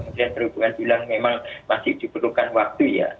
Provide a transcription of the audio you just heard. kementerian perhubungan bilang memang masih diperlukan waktu ya